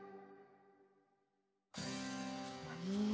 うん。